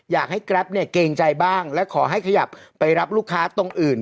แกรปเนี่ยเกรงใจบ้างและขอให้ขยับไปรับลูกค้าตรงอื่น